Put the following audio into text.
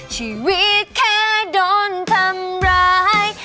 ชีวิตแค่โดนทำร้าย